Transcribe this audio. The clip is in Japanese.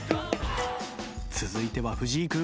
続いては藤井君。